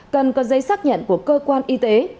cần có giấy xác nhận của cơ quan y tế